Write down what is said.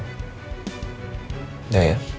makanya dia ngomong kayak begitu